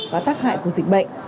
và tác hại của dịch bệnh